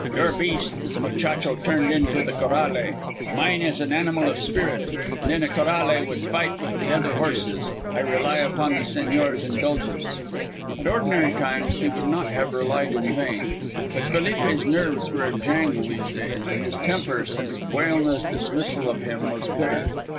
Your beast the muchacho turned into the corrale. Mine is an animal of spirit, and in a corrale would fight with the other horses. I rely upon the señor's indulgence." At ordinary times he would not have relied in vain. But Felipe's nerves were in a jangle these days, and his temper, since Buelna's dismissal of him, was bitter.